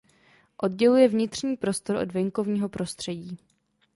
Odděluje vnitřní prostor od venkovního prostředí.